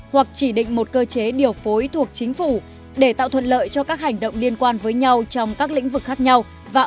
hoặc chỉ định một cơ chế điều phối thuộc chính phủ